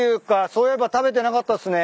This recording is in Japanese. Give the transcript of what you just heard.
そういえば食べてなかったっすね。